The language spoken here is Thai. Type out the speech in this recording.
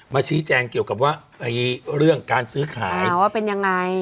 ชี้แจงเกี่ยวกับว่าไอ้เรื่องการซื้อขายอ๋อเป็นยังไง